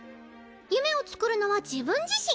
夢を作るのは自分自身。